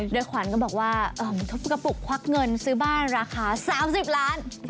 โดยขวัญก็บอกว่าทุบกระปุกควักเงินซื้อบ้านราคา๓๐ล้าน